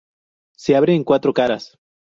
Se abre en cuatro caras.